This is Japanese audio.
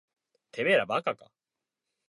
てめえら馬鹿か。